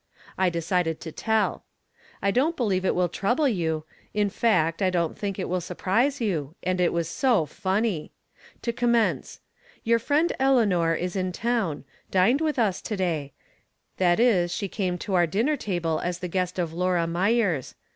I decided to tell. I don't believe it will trouble you ; in fact, I don't think it will surprise you ; and it was so funny. To commence ; your friend Eleanor is in town ; dined with us to day — ^that is she came to our din ner table as the guest of Laura Myers.